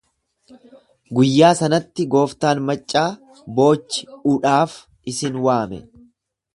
Guyyaa sanatti gooftaan maccaa boochiudhaaf isin waame.